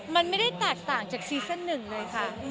มันไม่ได้แตกต่างจากซีซั่นหนึ่งเลยค่ะ